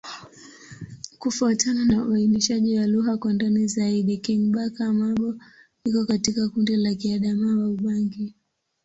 Kufuatana na uainishaji wa lugha kwa ndani zaidi, Kingbaka-Ma'bo iko katika kundi la Kiadamawa-Ubangi.